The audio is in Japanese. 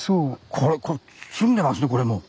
これこれ詰んでますねこれも。